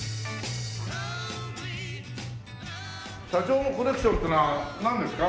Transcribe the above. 社長のコレクションっていうのはなんですか？